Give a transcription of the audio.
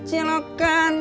cilok cihoyama lima ratusan